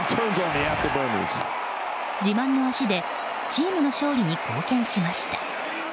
自慢の足でチームの勝利に貢献しました。